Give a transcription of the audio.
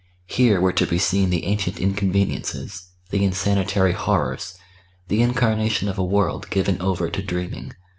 Here were to be seen the ancient inconveniences, the insanitary horrors, the incarnation of a world given over to dreaming.